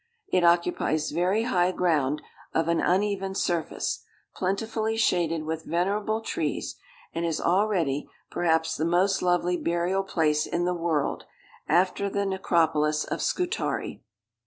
It occupies very high ground, of an uneven surface, plentifully shaded with venerable trees, and is already, perhaps, the most lovely burial place in the world, after the Necropolis of Scutari.